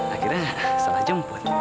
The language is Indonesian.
akhirnya salah jemput